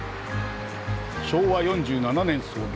昭和４７年創業。